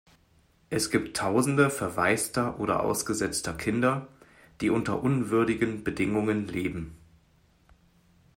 Es gibt Tausende verwaister oder ausgesetzter Kinder, die unter unwürdigen Bedingungen leben.